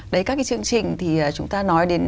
đấy các cái chương trình thì chúng ta nói đến